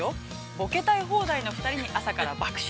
ボケたい放題の２人に、朝から爆笑。